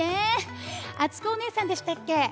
あつこおねえさんでしたっけ？